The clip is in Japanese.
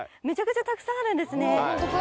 めちゃくちゃたくさんあるんですね。